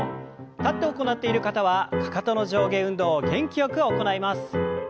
立って行っている方はかかとの上下運動を元気よく行います。